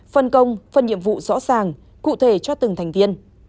phần công phần nhiệm vụ rõ ràng cụ thể cho từng thành viên